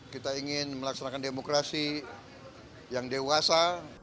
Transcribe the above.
kita ingin melaksanakan demokrasi yang dewasa